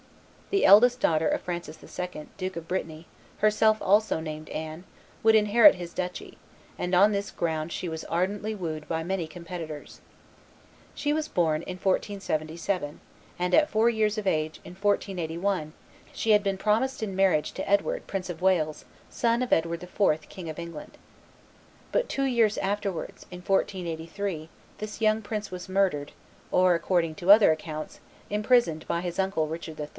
The eldest daughter of Francis II., Duke of Brittany, herself also named Anne, would inherit his duchy, and on this ground she was ardently wooed by many competitors. She was born in 1477; and at four years of age, in 1481, she had been promised in marriage to Edward, Prince of Wales, son of Edward IV., King of England. But two years afterwards, in 1483, this young prince was murdered, or, according to other accounts, imprisoned by his uncle Richard III.